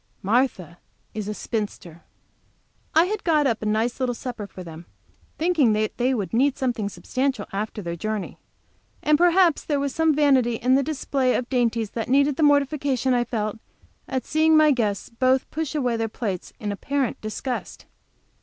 Martha is a spinster. I had got up a nice little supper for them, thinking they would need something substantial after their journey. And perhaps there was some vanity in the display of dainties that needed the mortification I felt at seeing my guests both push away their plates in apparent disgust.